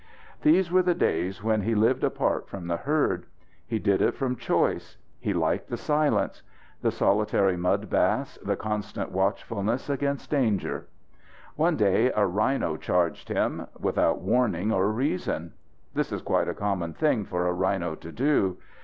These were the days when he lived apart from the herd. He did it from choice. He liked the silence, the solitary mud baths, the constant watchfulness against danger. One day a rhino charged him without warning or reason. This is quite a common thing for a rhino to do.